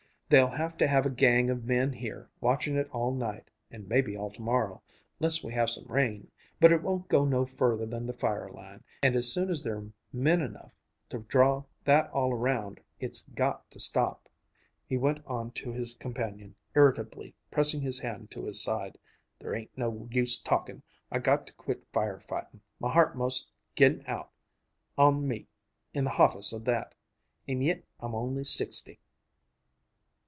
"They'll have to have a gang of men here watchin' it all night and maybe all tomorrow 'less we have some rain. But it won't go no further than the fire line, and as soon as there're men enough to draw that all around, it's got to stop!" He went on to his companion, irritably, pressing his hand to his side: "There ain't no use talkin', I got to quit fire fightin'. My heart 'most gi'n out on me in the hottest of that. And yit I'm only sixty!"